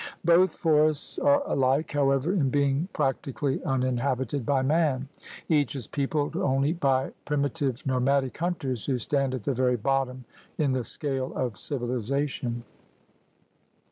Both forests are alike, however, in being practically un inhabited by man. Each is peopled only by primi THE GARMENT OF VEGETATION 101 tive nomadic hunters who stand at the very bottom in the scale of civiHzation.